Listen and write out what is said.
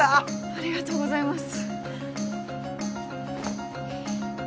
ありがとうございます。